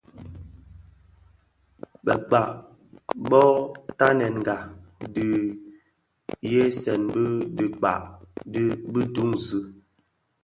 Bekpag bo tanenga di nhyesen bi dhikpaň bi duńzi.